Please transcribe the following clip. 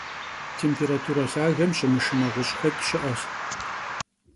Têmpêrature lhagem şımışşıne ğuş'xeç' şı'eş.